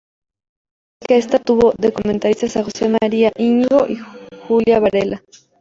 Al igual que esta, tuvo de comentaristas a Jose María Íñigo y Julia Varela.